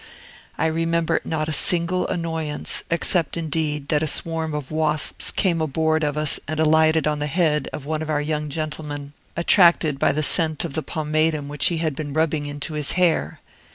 I remember not a single annoyance, except, indeed, that a swarm of wasps came aboard of us and alighted on the head of one of our young gentlemen, attracted by the scent of the pomatum which he had been rubbing into his hair.